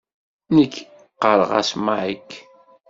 Nekk ɣɣareɣ-as Mike.